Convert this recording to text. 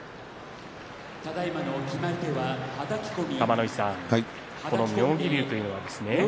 玉ノ井さん妙義龍というのはですね